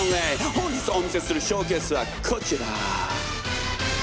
本日お見せするショーケースはこちら。